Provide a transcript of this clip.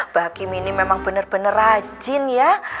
mbak kim ini memang bener bener rajin ya